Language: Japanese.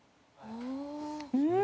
うん！